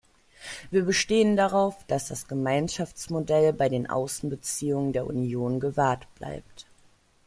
Wir bestehen darauf, dass das Gemeinschaftsmodell bei den Außenbeziehungen der Union gewahrt bleibt.